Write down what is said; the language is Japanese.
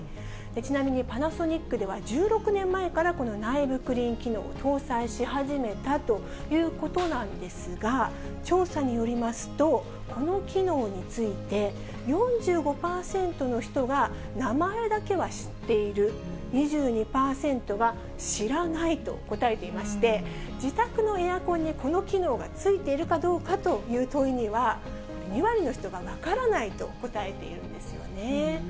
ちなみにパナソニックでは、１６年前から、この内部クリーン機能を搭載し始めたということなんですが、調査によりますと、この機能について、４５％の人が、名前だけは知っている、２２％は知らないと答えていまして、自宅のエアコンに、この機能がついているかどうかという問いには、２割の人が分からないと答えているんですよね。